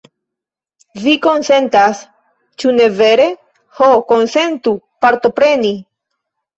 Vi konsentas, ĉu ne vere? Ho, konsentu partopreni!